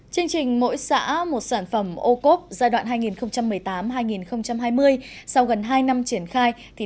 chương trình mỗi xã một sản phẩm ô cốp giai đoạn hai nghìn một mươi tám hai nghìn hai mươi sau gần hai năm triển khai